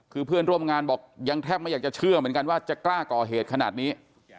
คือเพื่อนร่วมงานบอกยังแทบไม่อยากจะเชื่อเหมือนกันว่าจะกล้าก่อเหตุขนาดนี้